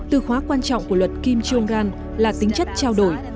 từ khóa quan trọng của luật kim jong un là tính chất trao đổi